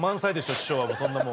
師匠はそんなもん。